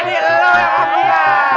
jadi lu yang ngapain